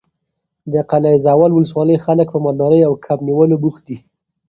د قلعه زال ولسوالۍ خلک په مالدارۍ او کب نیولو بوخت دي.